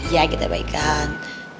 ya kita baikan